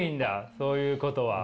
そういうことは。